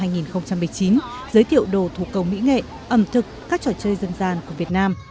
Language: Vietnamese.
giới thiệu đồ thủ công mỹ nghệ ẩm thực các trò chơi dân gian của việt nam